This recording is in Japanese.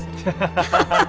ハハハハ！